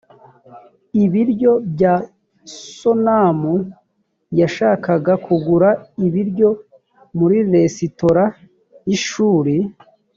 ibiryo bya sonamu yashakaga kugura ibiryo mu resitora y ishuri